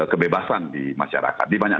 kebebasan di masyarakat di banyak